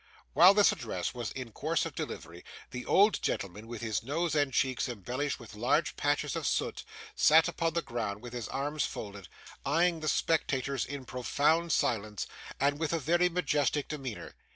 While this address was in course of delivery, the old gentleman, with his nose and cheeks embellished with large patches of soot, sat upon the ground with his arms folded, eyeing the spectators in profound silence, and with a very majestic demeanour.